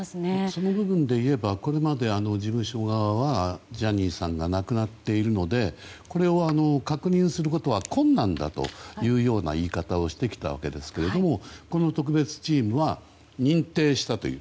そういうことでいえばこれまで事務所側はジャニーさんが亡くなっているのでこれは確認することは困難だというような言い方をしてきたわけですけどもこの特別チームは認定したという。